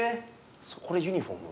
これユニフォーム？